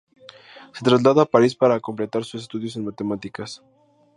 Se traslada a París para completar sus estudios en matemáticas.